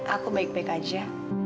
aku baik baik aja